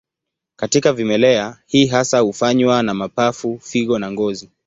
Katika vimelea, hii hasa hufanywa na mapafu, figo na ngozi.